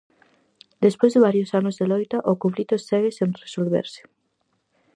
Despois de varios anos de loita o conflito segue sen resolverse.